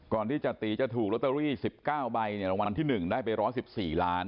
ก่อนที่จาตีจะถูกโรเตอรี่๑๙ใบรางวัลที่๑ได้ไปร้อน๑๔ล้าน